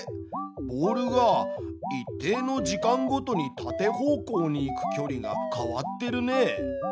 ボールが一定の時間ごとに縦方向に行く距離が変わってるね。